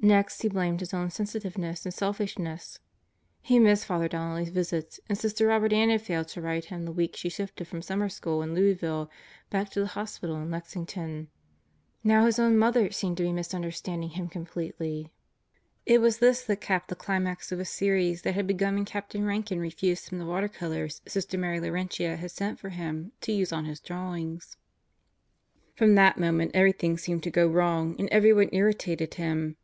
Next he blamed his own sensitiveness and selfishness. He missed Father Don nelly's visits, and Sister Robert Ann had failed to write him the week she shifted from summer school in Louisville back to the Hospital in Lexington. Now his own mother seemed to be mis understanding him completely. It was this that capped the climax of a series that had begun when Captain Rankin refused him the water colors Sister Mary Laurentia had sent for him to use on his drawings. From that moment everything seemed to go wrong and everyone irritated him.